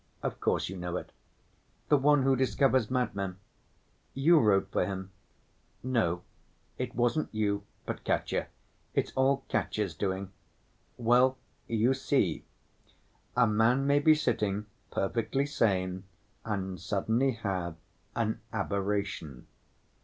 Of course, you know it—the one who discovers madmen. You wrote for him. No, it wasn't you, but Katya. It's all Katya's doing. Well, you see, a man may be sitting perfectly sane and suddenly have an aberration.